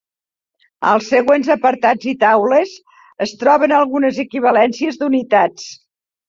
Als següents apartats i taules es troben algunes equivalències d'unitats.